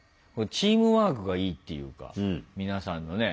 チームワークがいいっていうか皆さんのね。